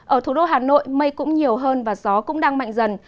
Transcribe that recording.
ở thủ đô hà nội mây cũng nhiều hơn và gió cũng đang mạnh dần